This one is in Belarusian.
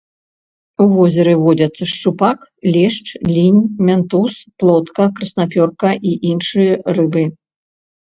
У возеры водзяцца шчупак, лешч, лінь, мянтуз, плотка, краснапёрка і іншыя рыбы.